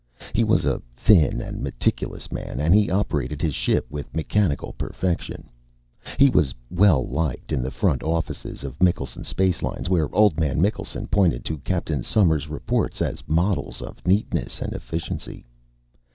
He was a thin and meticulous man, and he operated his ship with mechanical perfection. He was well liked in the front offices of Mikkelsen Space Lines, where Old Man Mikkelsen pointed to Captain Somers' reports as models of neatness and efficiency.